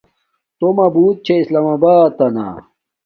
تومہ بوت چھے اسلام آباتنا